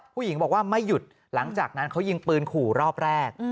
ผู้หญิงบอกว่าไม่หยุดหลังจากนั้นเขายิงปืนขู่รอบแรก